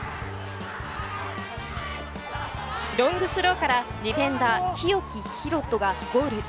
ロングスローからディフェンダー、日置大翔がゴール。